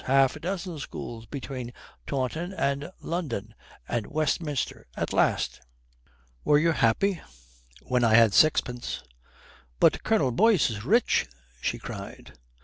Half a dozen schools between Taunton and London, and Westminster at last." "Were you happy?" "When I had sixpence." "But Colonel Boyce is rich!" she cried.